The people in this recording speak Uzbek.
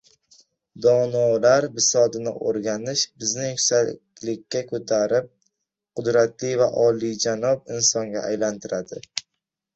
Donolar bisotini o‘rganish bizni yuksaklikka ko‘tarib, qudratli va olijanob insonga aylantiradi.